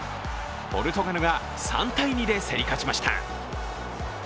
ポルトガルが３−２で競り勝ちました